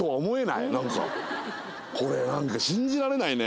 これなんか信じられないね。